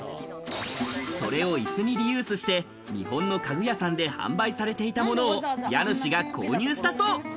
それをイスにリユースして、日本の家具屋さんで販売されていたものを家主が購入したそう。